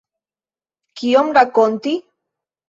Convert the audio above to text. Kion rakonti?